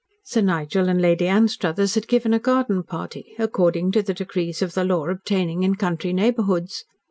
Sir Nigel and Lady Anstruthers had given a garden party, according to the decrees of the law obtaining in country neighbourhoods.